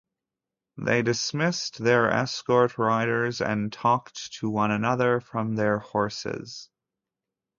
They dismissed their escort riders and talked to one another from their horses.